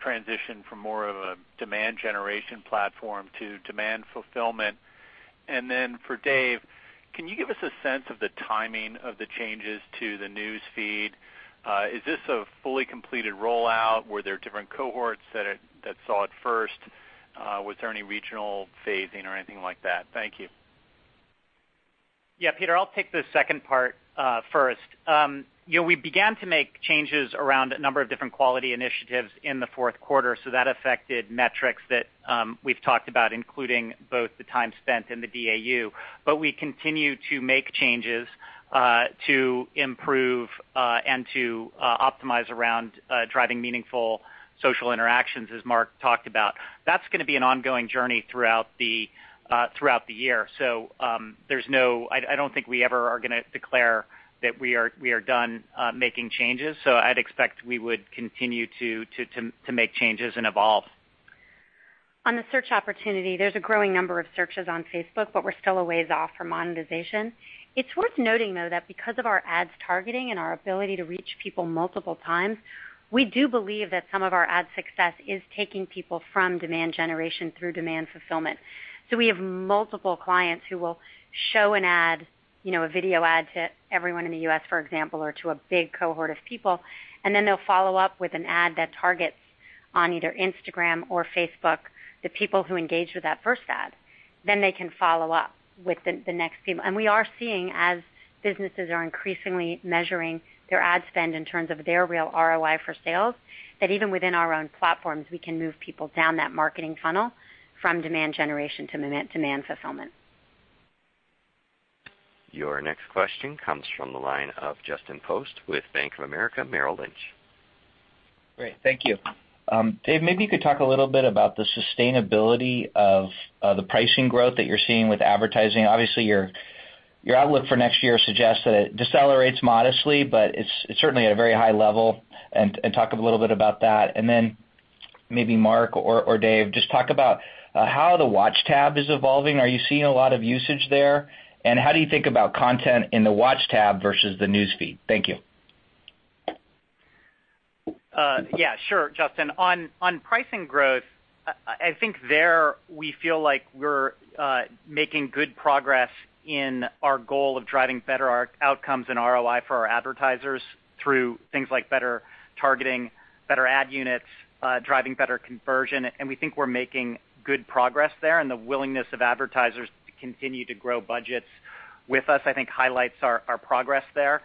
transition from more of a demand generation platform to demand fulfillment? For Dave, can you give us a sense of the timing of the changes to the News Feed? Is this a fully completed rollout? Were there different cohorts that saw it first? Was there any regional phasing or anything like that? Thank you. Yeah, Peter, I'll take the second part first. We began to make changes around a number of different quality initiatives in the fourth quarter. That affected metrics that we've talked about, including both the time spent and the DAU. We continue to make changes to improve and to optimize around driving meaningful social interactions, as Mark talked about. That's going to be an ongoing journey throughout the year. I don't think we ever are going to declare that we are done making changes. I'd expect we would continue to make changes and evolve. On the search opportunity, there's a growing number of searches on Facebook, we're still a ways off for monetization. It's worth noting, though, that because of our ads targeting and our ability to reach people multiple times, we do believe that some of our ad success is taking people from demand generation through demand fulfillment. We have multiple clients who will show an ad, a video ad to everyone in the U.S., for example, or to a big cohort of people, and then they'll follow up with an ad that targets on either Instagram or Facebook, the people who engaged with that first ad. They can follow up with the next people. We are seeing as businesses are increasingly measuring their ad spend in terms of their real ROI for sales, that even within our own platforms, we can move people down that marketing funnel from demand generation to demand fulfillment. Your next question comes from the line of Justin Post with Bank of America Merrill Lynch. Great. Thank you. Dave, maybe you could talk a little bit about the sustainability of the pricing growth that you're seeing with advertising. Obviously, your outlook for next year suggests that it decelerates modestly, but it's certainly at a very high level. Talk a little bit about that. Maybe Mark or Dave, just talk about how the Watch tab is evolving. Are you seeing a lot of usage there? How do you think about content in the Watch tab versus the News Feed? Thank you. Yeah, sure, Justin. On pricing growth, I think there we feel like we're making good progress in our goal of driving better outcomes and ROI for our advertisers through things like better targeting, better ad units, driving better conversion, and we think we're making good progress there and the willingness of advertisers to continue to grow budgets with us, I think highlights our progress there.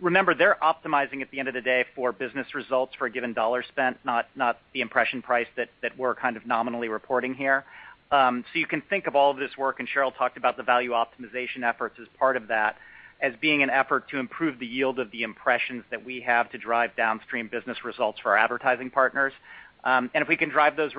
Remember, they're optimizing at the end of the day for business results for a given $ spent, not the impression price that we're kind of nominally reporting here. You can think of all of this work, and Sheryl talked about the value optimization efforts as part of that, as being an effort to improve the yield of the impressions that we have to drive downstream business results for our advertising partners. If we can drive those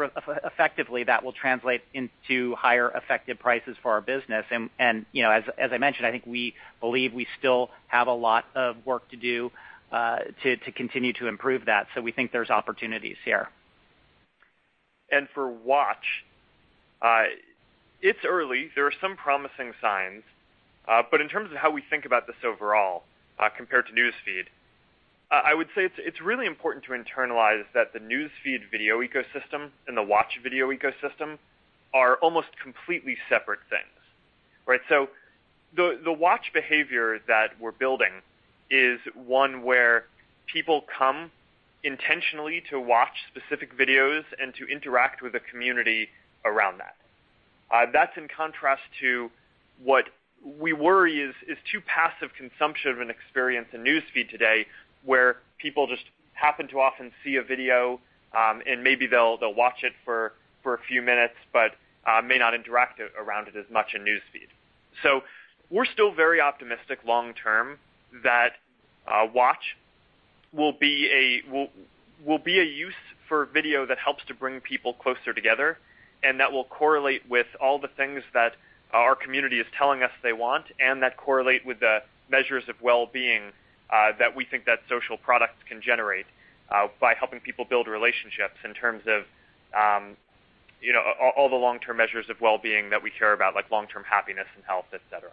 effectively, that will translate into higher effective prices for our business. As I mentioned, I think we believe we still have a lot of work to do to continue to improve that. We think there's opportunities here. For Watch, it's early. There are some promising signs. In terms of how we think about this overall compared to News Feed, I would say it's really important to internalize that the News Feed video ecosystem and the Watch video ecosystem are almost completely separate things, right? The Watch behavior that we're building is one where people come intentionally to watch specific videos and to interact with a community around that. That's in contrast to what we worry is too passive consumption of an experience in News Feed today, where people just happen to often see a video, and maybe they'll watch it for a few minutes, but may not interact around it as much in News Feed. We're still very optimistic long term that Watch will be a use for video that helps to bring people closer together and that will correlate with all the things that our community is telling us they want and that correlate with the measures of well-being that we think that social products can generate by helping people build relationships in terms of All the long-term measures of well-being that we care about, like long-term happiness and health, et cetera.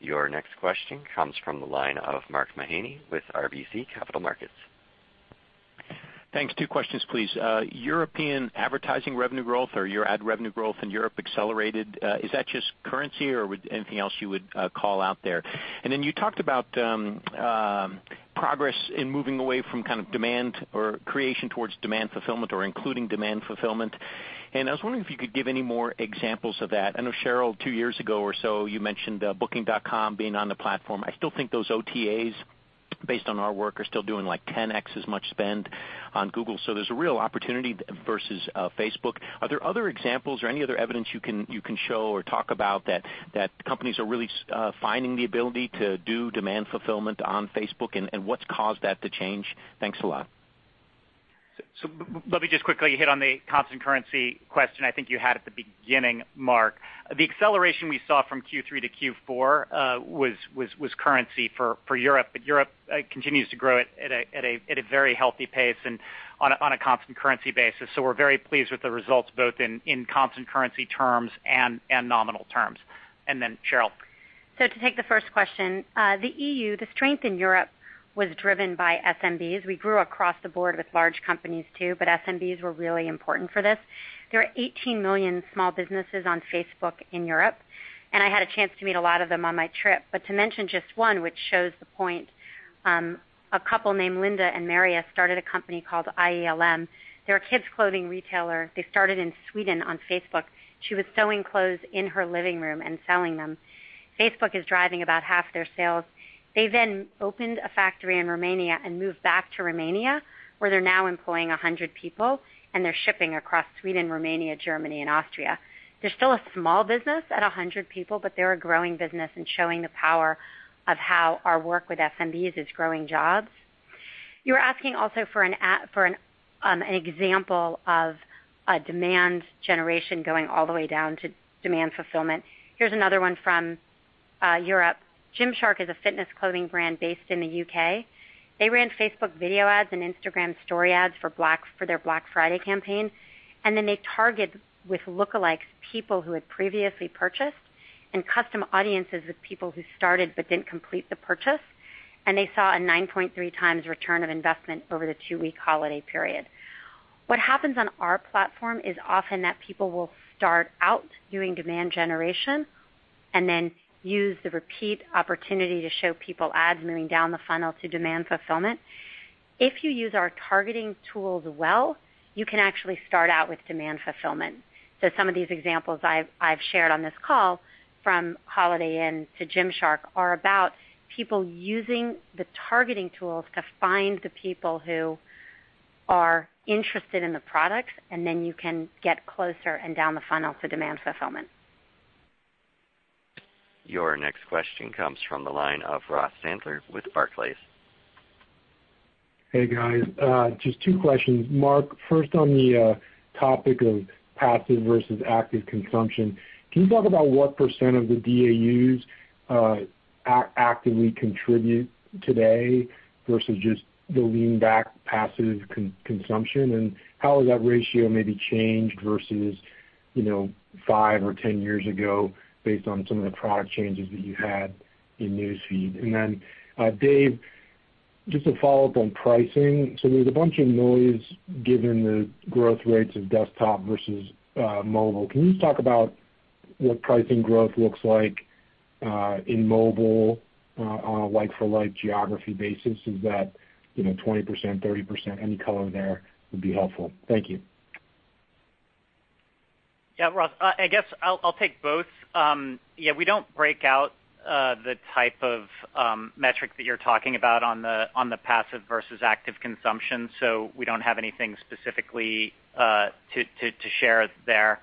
Your next question comes from the line of Mark Mahaney with RBC Capital Markets. Thanks. Two questions, please. European advertising revenue growth or your ad revenue growth in Europe accelerated. Is that just currency or anything else you would call out there? You talked about progress in moving away from kind of demand or creation towards demand fulfillment or including demand fulfillment. I was wondering if you could give any more examples of that. I know, Sheryl, two years ago or so, you mentioned Booking.com being on the platform. I still think those OTAs, based on our work, are still doing like 10x as much spend on Google. There's a real opportunity versus Facebook. Are there other examples or any other evidence you can show or talk about that companies are really finding the ability to do demand fulfillment on Facebook, and what's caused that to change? Thanks a lot. Let me just quickly hit on the constant currency question I think you had at the beginning, Mark. The acceleration we saw from Q3 to Q4 was currency for Europe continues to grow at a very healthy pace and on a constant currency basis. We're very pleased with the results, both in constant currency terms and nominal terms. Sheryl. To take the first question, the EU, the strength in Europe was driven by SMBs. We grew across the board with large companies too, SMBs were really important for this. There are 18 million small businesses on Facebook in Europe, I had a chance to meet a lot of them on my trip. To mention just one which shows the point, a couple named Linda and Maria started a company called iELM. They're a kids clothing retailer. They started in Sweden on Facebook. She was sewing clothes in her living room and selling them. Facebook is driving about half their sales. They opened a factory in Romania and moved back to Romania, where they're now employing 100 people, and they're shipping across Sweden, Romania, Germany and Austria. They're still a small business at 100 people, but they're a growing business and showing the power of how our work with SMBs is growing jobs. You were asking also for an example of a demand generation going all the way down to demand fulfillment. Here's another one from Europe. Gymshark is a fitness clothing brand based in the U.K. They ran Facebook video ads and Instagram Stories ads for their Black Friday campaign. They target with lookalikes, people who had previously purchased, and custom audiences with people who started but didn't complete the purchase. They saw a 9.3 times return on investment over the two-week holiday period. What happens on our platform is often that people will start out doing demand generation. Then they use the repeat opportunity to show people ads moving down the funnel to demand fulfillment. If you use our targeting tools well, you can actually start out with demand fulfillment. Some of these examples I've shared on this call from Holiday Inn to Gymshark are about people using the targeting tools to find the people who are interested in the products. Then you can get closer and down the funnel to demand fulfillment. Your next question comes from the line of Ross Sandler with Barclays. Hey, guys. Just two questions. Mark, first on the topic of passive versus active consumption. Can you talk about what % of the DAUs actively contribute today versus just the lean-back passive consumption, and how has that ratio maybe changed versus five or 10 years ago based on some of the product changes that you had in News Feed? Dave, just to follow up on pricing. There's a bunch of noise given the growth rates of desktop versus mobile. Can you just talk about what pricing growth looks like in mobile on a like-for-like geography basis? Is that 20%, 30%? Any color there would be helpful. Thank you. Ross. I guess I'll take both. We don't break out the type of metric that you're talking about on the passive versus active consumption, so we don't have anything specifically to share there.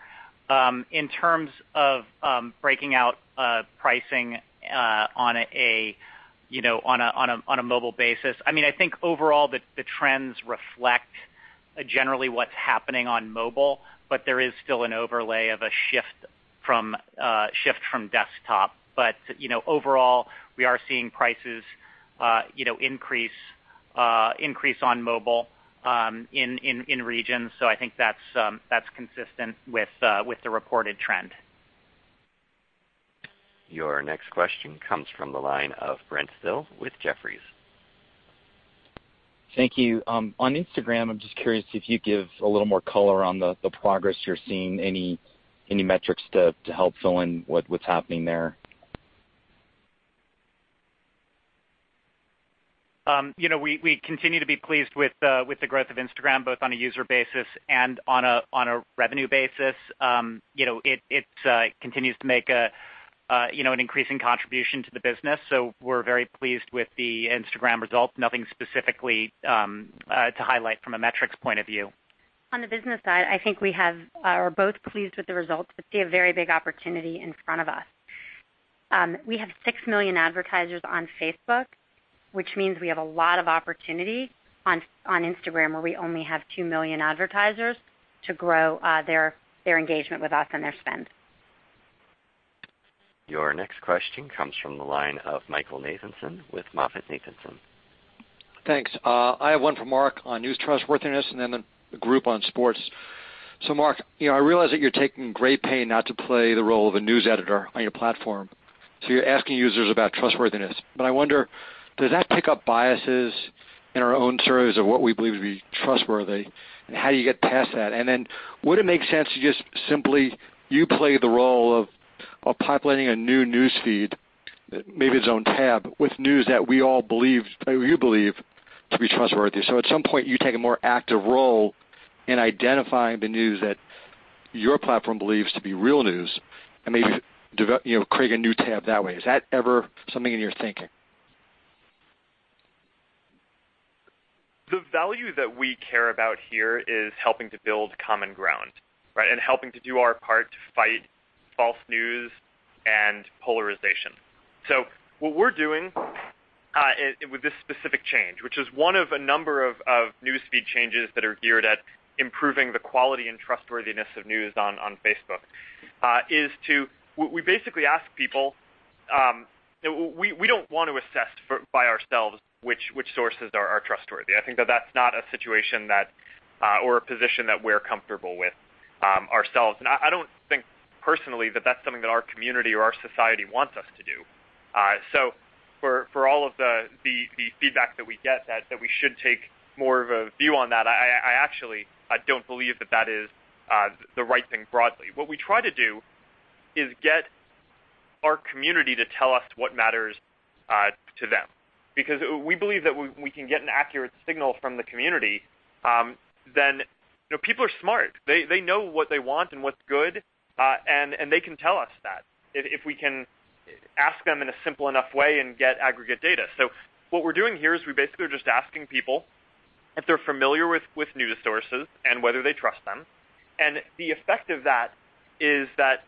In terms of breaking out pricing on a mobile basis, I think overall the trends reflect generally what's happening on mobile, but there is still an overlay of a shift from desktop. Overall, we are seeing prices increase on mobile in regions. I think that's consistent with the reported trend. Your next question comes from the line of Brent Thill with Jefferies. Thank you. On Instagram, I'm just curious if you'd give a little more color on the progress you're seeing. Any metrics to help fill in what's happening there? We continue to be pleased with the growth of Instagram, both on a user basis and on a revenue basis. It continues to make an increasing contribution to the business. We're very pleased with the Instagram results. Nothing specifically to highlight from a metrics point of view. On the business side, I think we are both pleased with the results, but see a very big opportunity in front of us. We have 6 million advertisers on Facebook, which means we have a lot of opportunity on Instagram, where we only have 2 million advertisers to grow their engagement with us and their spend. Your next question comes from the line of Michael Nathanson with MoffettNathanson. Thanks. I have one for Mark on news trustworthiness and then the group on sports. Mark, I realize that you're taking great pain not to play the role of a news editor on your platform. You're asking users about trustworthiness. I wonder, does that pick up biases in our own terms of what we believe to be trustworthy, and how do you get past that? Would it make sense to just simply you play the role of populating a new News Feed, maybe its own tab, with news that you believe to be trustworthy. At some point you take a more active role in identifying the news that your platform believes to be real news and maybe create a new tab that way. Is that ever something in your thinking? The value that we care about here is helping to build common ground, right? Helping to do our part to fight false news and polarization. What we're doing with this specific change, which is one of a number of News Feed changes that are geared at improving the quality and trustworthiness of news on Facebook. We basically ask people, we don't want to assess by ourselves which sources are trustworthy. I think that's not a situation or a position that we're comfortable with ourselves. I don't think personally that that's something that our community or our society wants us to do. For all of the feedback that we get that we should take more of a view on that, I actually, I don't believe that that is the right thing broadly. What we try to do is get our community to tell us what matters to them, because we believe that we can get an accurate signal from the community, then people are smart. They know what they want and what's good, and they can tell us that if we can ask them in a simple enough way and get aggregate data. What we're doing here is we basically are just asking people if they're familiar with news sources and whether they trust them. The effect of that is that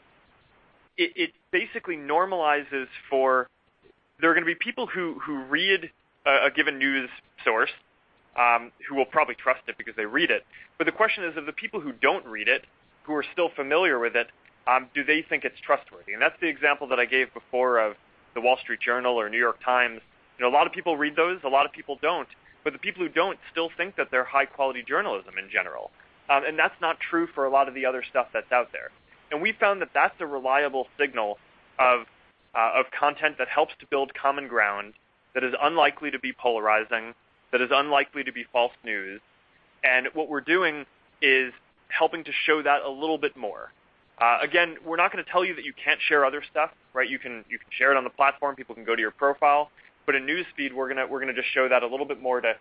it basically normalizes for, there are going to be people who read a given news source, who will probably trust it because they read it. The question is, of the people who don't read it, who are still familiar with it, do they think it's trustworthy? That's the example that I gave before of The Wall Street Journal or The New York Times. A lot of people read those, a lot of people don't. The people who don't still think that they're high-quality journalism in general. That's not true for a lot of the other stuff that's out there. We found that that's a reliable signal of content that helps to build common ground that is unlikely to be polarizing, that is unlikely to be false news. What we're doing is helping to show that a little bit more. Again, we're not going to tell you that you can't share other stuff, right? You can share it on the platform. People can go to your profile. In News Feed, we're going to just show that a little bit more to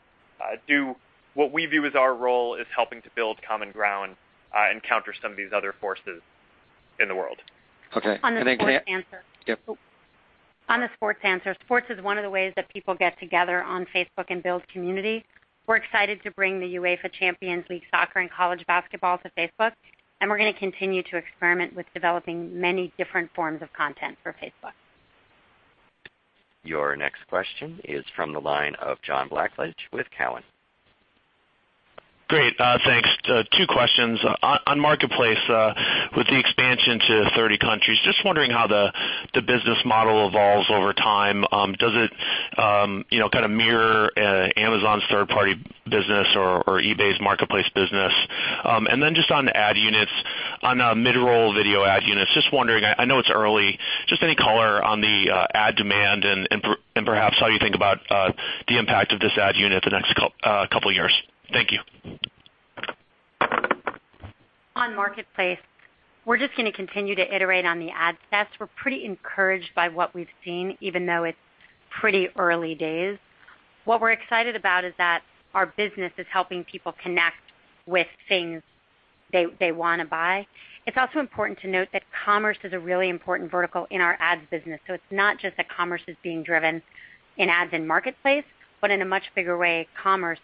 do what we view as our role is helping to build common ground and counter some of these other forces in the world. Okay. Can I- On the sports answer. Yep. On the sports answer, sports is one of the ways that people get together on Facebook and build community. We're excited to bring the UEFA Champions League soccer and college basketball to Facebook, and we're going to continue to experiment with developing many different forms of content for Facebook. Your next question is from the line of John Blackledge with Cowen. Great. Thanks. Two questions. On Marketplace, with the expansion to 30 countries, just wondering how the business model evolves over time. Does it kind of mirror Amazon's third-party business or eBay's Marketplace business? Just on ad units, on mid-roll video ad units, just wondering, I know it's early, just any color on the ad demand and perhaps how you think about the impact of this ad unit the next couple of years. Thank you. On Marketplace, we're just going to continue to iterate on the ad tests. We're pretty encouraged by what we've seen, even though it's pretty early days. What we're excited about is that our business is helping people connect with things they want to buy. It's also important to note that commerce is a really important vertical in our ads business. It's not just that commerce is being driven in ads in Marketplace, but in a much bigger way, commerce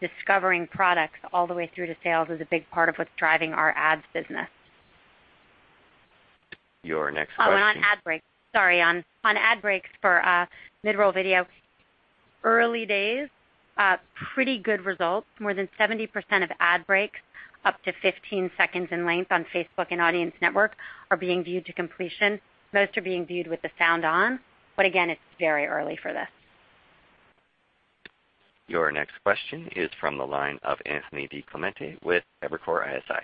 discovering products all the way through to sales is a big part of what's driving our ads business. Your next question- On ad breaks. Sorry. On ad breaks for mid-roll video. Early days, pretty good results. More than 70% of ad breaks up to 15 seconds in length on Facebook and Audience Network are being viewed to completion. Most are being viewed with the sound on. Again, it's very early for this. Your next question is from the line of Anthony DiClemente with Evercore ISI.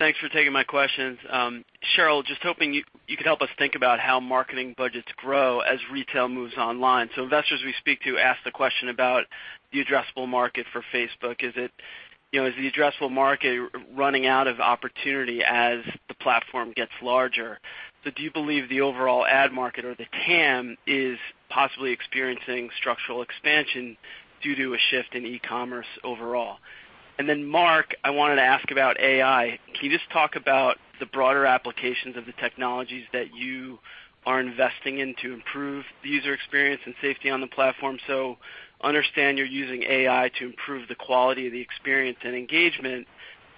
Thanks for taking my questions. Sheryl, just hoping you could help us think about how marketing budgets grow as retail moves online. Investors we speak to ask the question about the addressable market for Facebook. Is the addressable market running out of opportunity as the platform gets larger? Do you believe the overall ad market or the TAM is possibly experiencing structural expansion due to a shift in e-commerce overall? Mark, I wanted to ask about AI. Can you just talk about the broader applications of the technologies that you are investing in to improve the user experience and safety on the platform? Understand you're using AI to improve the quality of the experience and engagement.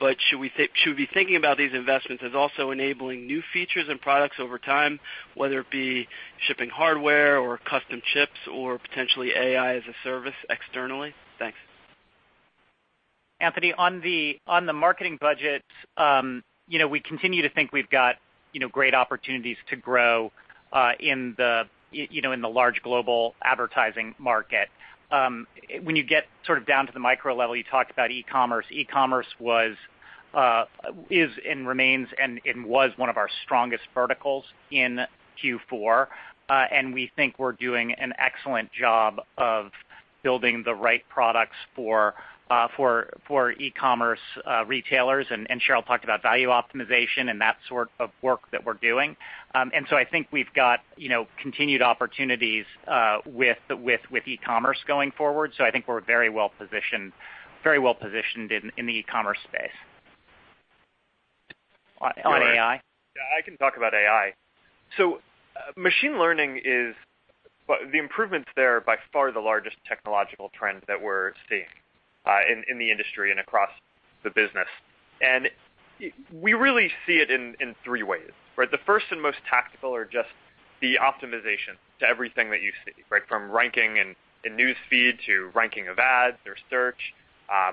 Should we be thinking about these investments as also enabling new features and products over time, whether it be shipping hardware or custom chips or potentially AI as a service externally? Thanks. Anthony, on the marketing budget, we continue to think we've got great opportunities to grow in the large global advertising market. When you get down to the micro level, you talked about e-commerce. E-commerce was, is, and remains, and it was one of our strongest verticals in Q4. We think we're doing an excellent job of building the right products for e-commerce retailers. Sheryl talked about value optimization and that sort of work that we're doing. I think we've got continued opportunities with e-commerce going forward. I think we're very well-positioned in the e-commerce space. On AI? Yeah, I can talk about AI. Machine learning is the improvements there are by far the largest technological trend that we're seeing in the industry and across the business. We really see it in three ways, right? The first and most tactical are just the optimization to everything that you see, from ranking in News Feed to ranking of ads or search,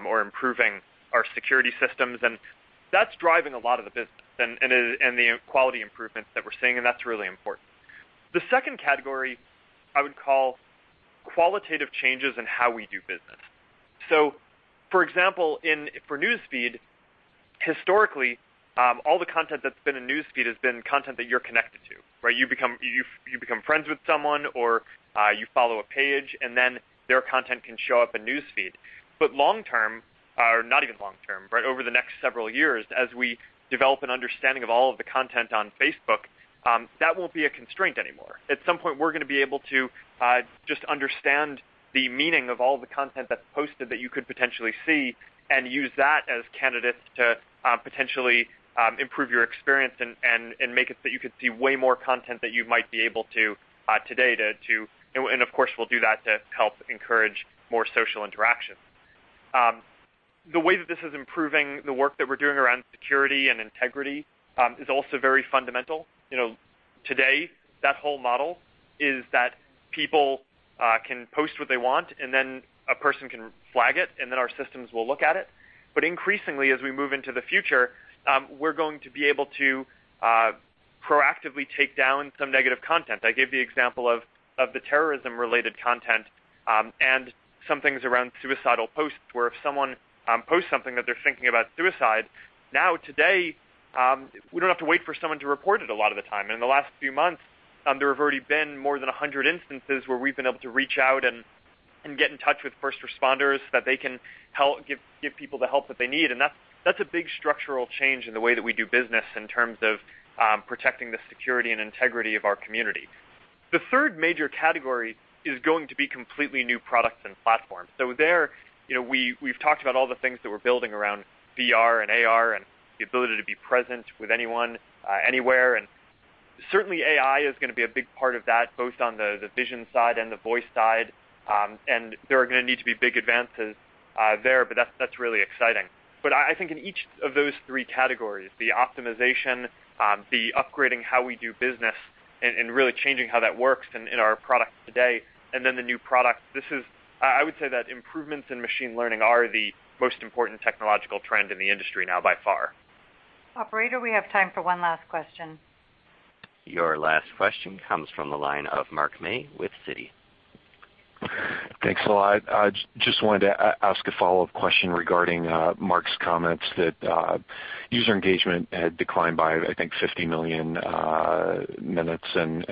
or improving our security systems. That's driving a lot of the business and the quality improvements that we're seeing, and that's really important. The second category I would call qualitative changes in how we do business. For example, for News Feed, historically, all the content that's been in News Feed has been content that you're connected to, right. You become friends with someone, or you follow a page, and then their content can show up in News Feed. Long term, or not even long term, over the next several years, as we develop an understanding of all of the content on Facebook, that won't be a constraint anymore. At some point, we're going to be able to just understand the meaning of all the content that's posted that you could potentially see and use that as candidates to potentially improve your experience and make it so that you could see way more content that you might be able to today. Of course, we'll do that to help encourage more social interaction. The way that this is improving the work that we're doing around security and integrity is also very fundamental. Today, that whole model is that people can post what they want, and then a person can flag it, and then our systems will look at it. Increasingly, as we move into the future, we're going to be able to proactively take down some negative content. I gave the example of the terrorism-related content and some things around suicidal posts, where if someone posts something that they're thinking about suicide, now today, we don't have to wait for someone to report it a lot of the time. In the last few months, there have already been more than 100 instances where we've been able to reach out and get in touch with first responders that they can give people the help that they need. That's a big structural change in the way that we do business in terms of protecting the security and integrity of our community. The third major category is going to be completely new products and platforms. There, we've talked about all the things that we're building around VR and AR and the ability to be present with anyone, anywhere. Certainly AI is going to be a big part of that, both on the vision side and the voice side. There are going to need to be big advances there, but that's really exciting. I think in each of those three categories, the optimization, the upgrading how we do business and really changing how that works in our products today, and then the new products. I would say that improvements in machine learning are the most important technological trend in the industry now by far. Operator, we have time for one last question. Your last question comes from the line of Mark May with Citi. Thanks a lot. I just wanted to ask a follow-up question regarding Mark's comments that user engagement had declined by, I think, 50 million minutes and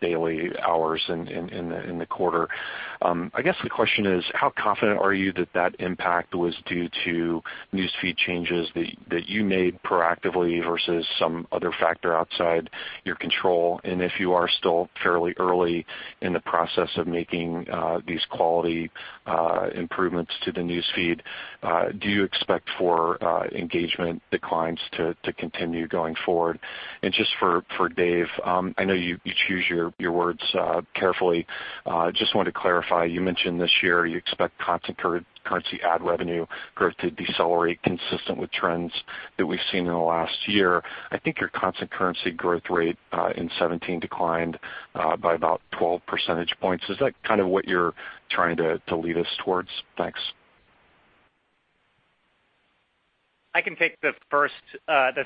daily hours in the quarter. I guess the question is, how confident are you that that impact was due to News Feed changes that you made proactively versus some other factor outside your control? If you are still fairly early in the process of making these quality improvements to the News Feed, do you expect for engagement declines to continue going forward? Just for Dave, I know you choose your words carefully. Just wanted to clarify, you mentioned this year you expect constant currency ad revenue growth to decelerate consistent with trends that we've seen in the last year. I think your constant currency growth rate in 2017 declined by about 12 percentage points. Is that kind of what you're trying to lead us towards? Thanks. I can take the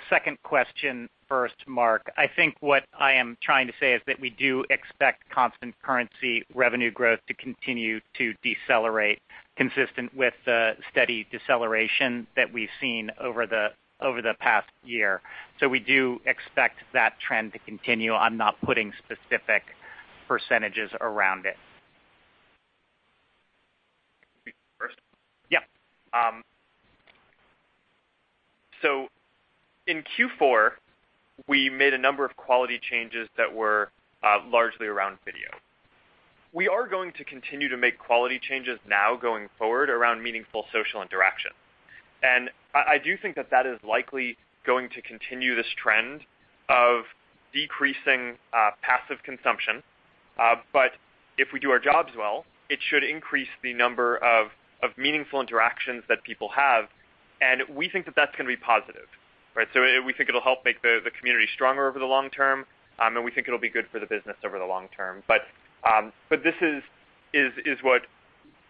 second question first, Mark. I think what I am trying to say is that we do expect constant currency revenue growth to continue to decelerate consistent with the steady deceleration that we've seen over the past year. We do expect that trend to continue. I'm not putting specific percentages around it. Me first? Yeah. In Q4, we made a number of quality changes that were largely around video. We are going to continue to make quality changes now going forward around meaningful social interaction. I do think that that is likely going to continue this trend of decreasing passive consumption. If we do our jobs well, it should increase the number of meaningful interactions that people have, and we think that that's going to be positive. We think it'll help make the community stronger over the long term, and we think it'll be good for the business over the long term. This is what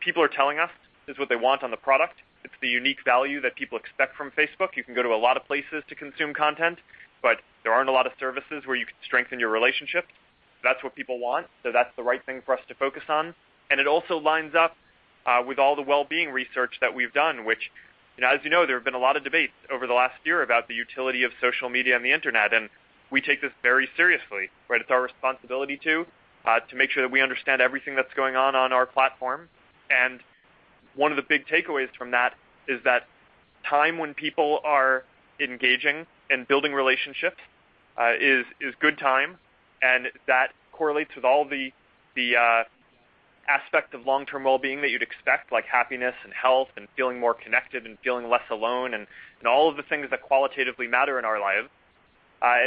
people are telling us is what they want on the product. It's the unique value that people expect from Facebook. You can go to a lot of places to consume content, but there aren't a lot of services where you can strengthen your relationships. That's what people want. That's the right thing for us to focus on. It also lines up with all the well-being research that we've done, which, as you know, there have been a lot of debates over the last year about the utility of social media and the internet, and we take this very seriously. It's our responsibility too, to make sure that we understand everything that's going on on our platform. One of the big takeaways from that is that time when people are engaging and building relationships is good time, and that correlates with all the aspect of long-term well-being that you'd expect, like happiness and health and feeling more connected and feeling less alone and all of the things that qualitatively matter in our lives.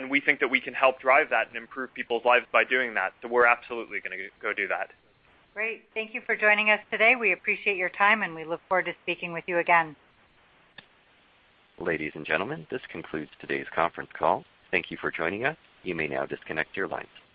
We think that we can help drive that and improve people's lives by doing that, so we're absolutely going to go do that. Great. Thank you for joining us today. We appreciate your time, and we look forward to speaking with you again. Ladies and gentlemen, this concludes today's conference call. Thank you for joining us. You may now disconnect your lines.